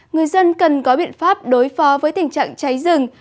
người dân cần có biện pháp đối phó với tình trạng cháy rừng